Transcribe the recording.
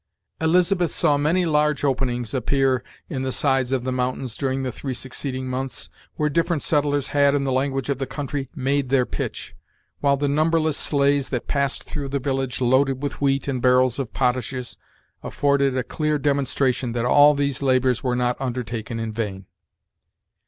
Elizabeth saw many large openings appear in the sides of the mountains during the three succeeding months, where different settlers had, in the language of the country "made their pitch," while the numberless sleighs that passed through the village, loaded with wheat and barrels of potashes, afforded a clear demonstration that all these labors were not undertaken in vain.